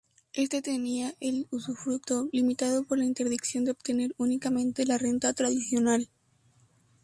Éste tenía el usufructo, limitado por la interdicción de obtener únicamente la renta tradicional.